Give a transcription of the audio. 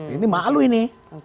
ini malu ini